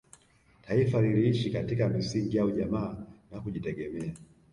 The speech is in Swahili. taifa liliishi katika misingi ya ujamaa na kujitegemea